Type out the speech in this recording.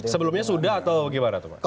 sebelumnya sudah atau bagaimana toba